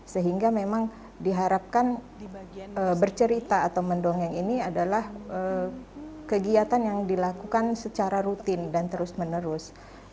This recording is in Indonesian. sehingga memang diharapkan bercerita atau mendongeng ini adalah kegiatan yang dilakukan secara rutin dan terus menerus